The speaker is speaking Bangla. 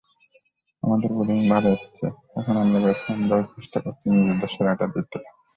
আমাদের বোলিং ভালো হচ্ছে, এখন আমরা ব্যাটসম্যানরাও চেষ্টা করছি নিজেদের সেরাটা দিতে।